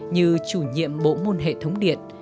như chủ nhiệm bổ môn hệ thống điện